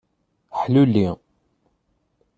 Ḥluli.